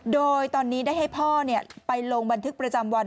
โดยตอนนี้ได้ให้พ่อไปลงบันทึกประจำวัน